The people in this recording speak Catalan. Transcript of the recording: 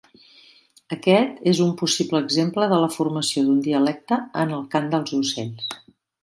Aquest és un possible exemple de la formació d'un dialecte en el cant dels ocells.